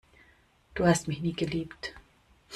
Du hast mich nie geliebt.